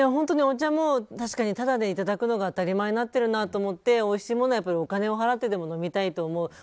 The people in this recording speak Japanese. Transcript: お茶も確かにただでいただくのが当たり前になっているなと思っておいしいものはお金を払ってでも飲みたいと思う。